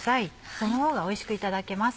そのほうがおいしくいただけます。